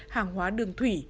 hàng hóa đường thủy